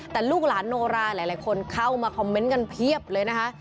แต่ลูกหลานโนราหลายคนเข้ามาคอมเมนต์กันเพียบเลยนะคะ